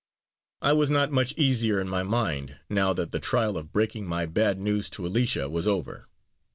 I was not much easier in my mind, now that the trial of breaking my bad news to Alicia was over.